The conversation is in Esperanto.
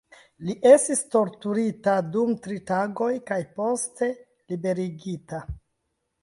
Li estis torturita dum tri tagoj kaj poste liberigita.